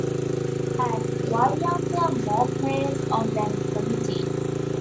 And why aren't there more players on that committee?